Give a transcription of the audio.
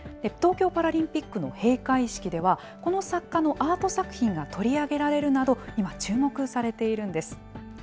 東京パラリンピックの閉会式では、この作家のアート作品が取り上げられるなど、今、注目されているんです。